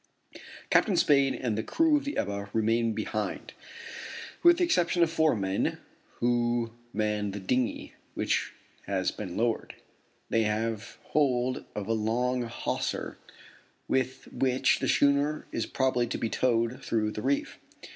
Captain Spade and the crew of the Ebba remain behind, with the exception of four men who man the dinghy, which has been lowered. They have hold of a long hawser, with which the schooner is probably to be towed through the reef.